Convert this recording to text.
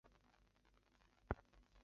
尤其是履带常常出问题。